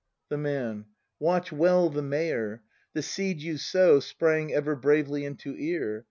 The Man. Watch well the Mayor. The seed you sow Sprang ever bravely into ear.